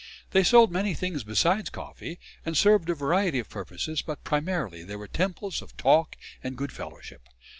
They sold many things besides coffee, and served a variety of purposes, but primarily they were temples of talk and good fellowship.